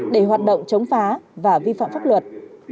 để hoạt động chống phá và vi phạm pháp luật